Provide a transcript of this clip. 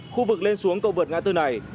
khu vực lên xuống cầu vượt ngã tư này